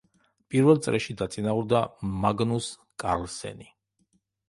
პირველ წრეში დაწინაურდა მაგნუს კარლსენი.